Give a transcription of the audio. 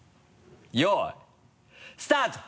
よいスタート。